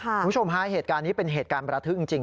คุณผู้ชมฮะเหตุการณ์นี้เป็นเหตุการณ์ประทึกจริง